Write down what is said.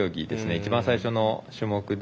一番最初の種目で。